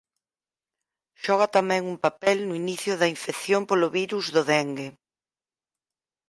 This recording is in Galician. Xoga tamén un papel no inicio da infección polo virus do dengue.